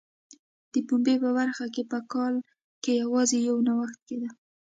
د پنبې په برخه کې په کال کې یوازې یو نوښت کېده.